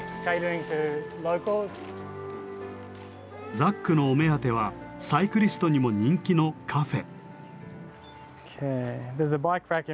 ザックのお目当てはサイクリストにも人気のカフェ。